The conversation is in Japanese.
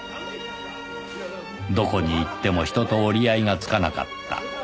どこに行っても人と折り合いが付かなかった